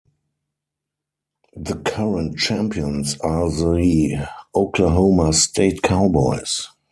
The current champions are the Oklahoma State Cowboys.